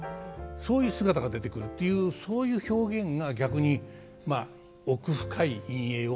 そういう姿が出てくるというそういう表現が逆に奧深い陰影を見せるという。